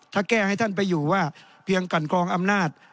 ถ้าแก้ให้ท่านไปอยู่ว่าเพียงกันกรองอำนาจ